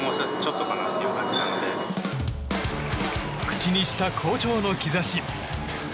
口にした好調の兆し。